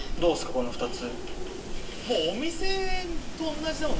この２つ。